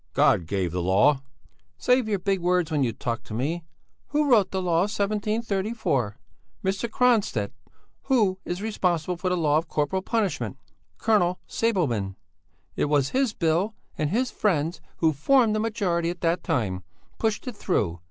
God gave the law." "Save your big words when you talk to me. Who wrote the law of 1734? Mr. Kronstedt! Who is responsible for the law of corporal punishment? Colonel Sabelman it was his Bill, and his friends, who formed the majority at that time, pushed it through.